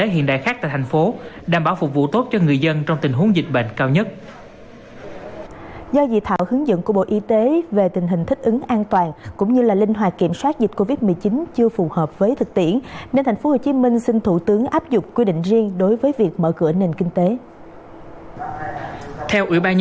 hiện các địa phương đang tiếp tục giả soát tổng hợp thiệt hại